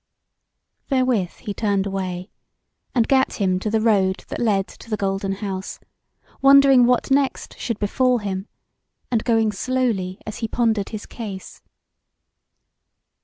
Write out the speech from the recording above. Therewith he turned away, and gat him to the road that led to the Golden House, wondering what next should befall him, and going slowly as he pondered his case.